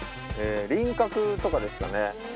輪郭とかですかね。